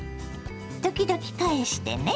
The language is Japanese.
時々返してね。